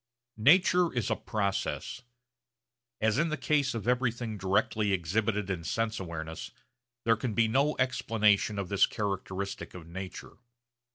Nature is a process. As in the case of everything directly exhibited in sense awareness, there can be no explanation of this characteristic of nature.